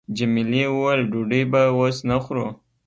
جميلې وويل:، ډوډۍ به اوس نه خورو.